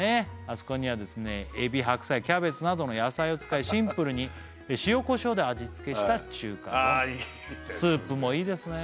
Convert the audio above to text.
あそこにはですねエビ白菜キャベツなどの野菜を使いシンプルに塩・コショウで味付けした中華丼いいですね